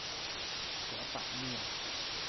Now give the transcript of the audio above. ผัวป๋าเมีย